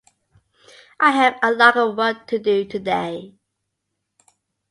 آج میرے پاس بہت سے کام ہیں۔